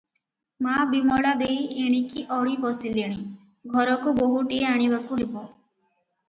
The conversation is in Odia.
ମା ବିମଳା ଦେଈ ଏଣିକି ଅଡ଼ି ବସିଲେଣି, ଘରକୁ ବୋହୁଟିଏ ଆଣିବାକୁ ହେବ ।